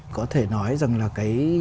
có thể nói rằng là cái